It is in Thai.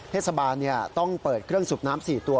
เทศบาลต้องเปิดเครื่องสูบน้ำ๔ตัว